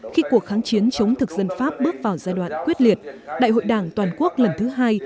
khi cuộc kháng chiến chống thực dân pháp bước vào giai đoạn quyết liệt đại hội đảng toàn quốc lần thứ hai